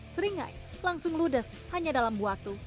seringai langsung ludes hanya dalam waktu tiga puluh menit saja